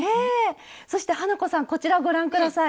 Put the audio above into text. そして花子さんこちらご覧下さい。